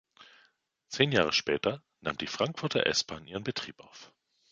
Zehn Jahre später nahm die Frankfurter S-Bahn ihren Betrieb auf.